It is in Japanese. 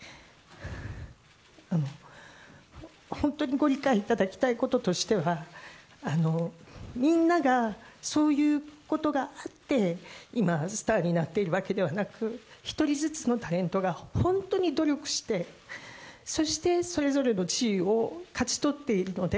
本当にご理解いただきたいこととしては、みんながそういうことがあって、今、スターになっているわけではなく、一人ずつのタレントが本当に努力して、そして、それぞれの地位を勝ち取っているので。